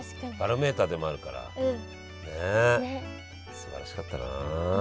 すばらしかったな。